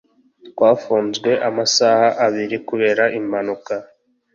twafunzwe amasaha abiri kubera impanuka